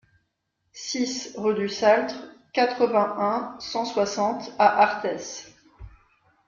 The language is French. six rue du Saltre, quatre-vingt-un, cent soixante à Arthès